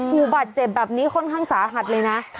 ผู้บาดเจ็บแบบนี้ค่อนข้างสาหัสเลยนะ